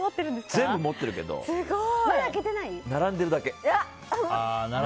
全部持ってるけど並んでるだけ。